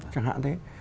chẳng hạn thế